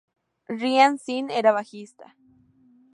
Ryan Sinn era bajista.